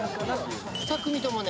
２組ともね